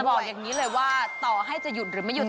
บอกอย่างนี้เลยว่าต่อให้จะหยุดหรือไม่หยุ